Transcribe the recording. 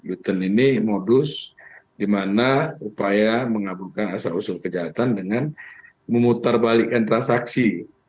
u turn ini modus di mana upaya mengaburkan hasil usul kejahatan dengan memutarbalikan transaksi